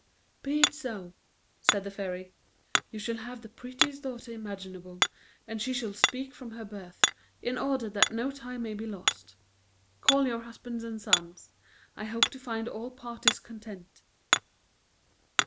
"Be it so," said the fairy; "you shall have the prettiest daughter imaginable, and she shall speak from her birth, in order that no time may be lost. Call your husband and sons; I hope to find all parties content."